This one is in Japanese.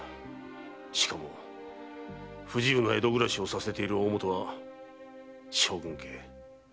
しかも不自由な江戸暮らしをさせている大本は将軍家。